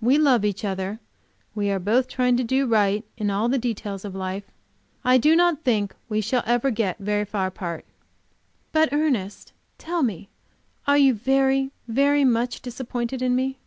We love each other; we are both trying to do right in all the details of life. I do not think we shall ever get very far apart." "But, Ernest tell me are you very, very much disappointed in me?"